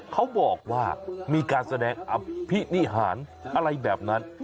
เขาบอกว่ามีการแสดงอภินิหารอะไรแบบนั้น